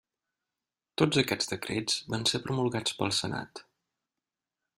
Tots aquests decrets van ser promulgats pel Senat.